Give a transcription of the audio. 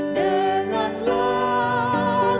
dengan lagu yang berdu